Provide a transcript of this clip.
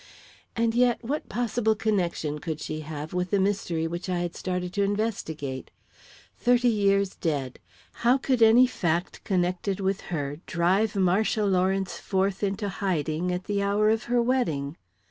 And yet, what possible connection could she have with the mystery which I had started to investigate? Thirty years dead how could any fact connected with her drive Marcia Lawrence forth into hiding at the hour of her wedding?